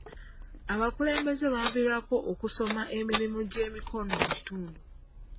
Abakulembeze baaviirako okusoma emirimu gy'emikono mu kitundu.